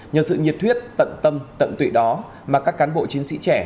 nhờ sự nhiệt huyết tận tâm tận tụy đó mà các cán bộ chiến sĩ trẻ